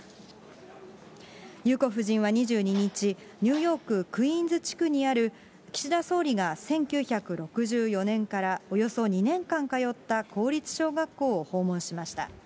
裕子夫人は２２日、ニューヨーク・クイーンズ地区にある岸田総理が１９６４年からおよそ２年間通った公立小学校を訪問しました。